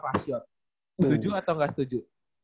pasyot setuju atau nggak setuju